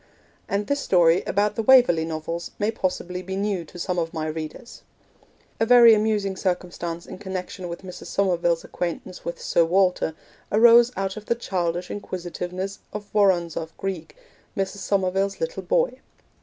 And this story about the Waverley Novels may possibly be new to some of my readers: A very amusing circumstance in connection with Mrs. Somerville's acquaintance with Sir Walter arose out of the childish inquisitiveness of Woronzow Greig, Mrs. Somerville's little boy.